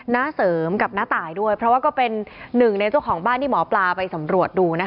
น้าเสริมกับน้าตายด้วยเพราะว่าก็เป็นหนึ่งในเจ้าของบ้านที่หมอปลาไปสำรวจดูนะคะ